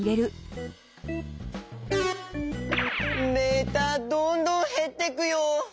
メーターどんどんへってくよ。